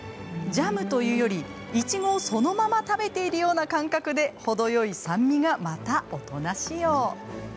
ジャムというより、いちごをそのまま食べているような感覚で程よい酸味が、また大人仕様。